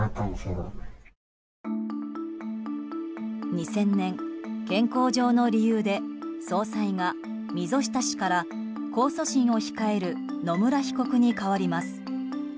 ２０００年、健康上の理由で総裁が溝下氏から控訴審を控える野村被告に代わります。